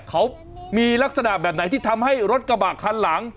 เขามีลักษณะแบบไหนที่ทำให้รถกระบะคันหลัง